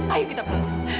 ayo kita berdua